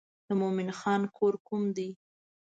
د مومن خان کور کوم دی.